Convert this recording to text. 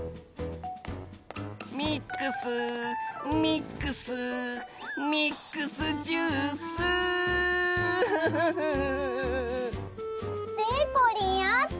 「ミックスミックスミックスジュース」でこりんあった？